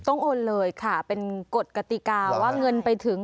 โอนเลยค่ะเป็นกฎกติกาว่าเงินไปถึง